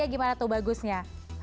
bagaimana tuh keleluarga bagusnya